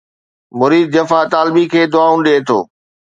مريد جفا طالبي کي دعائون ڏئي ٿو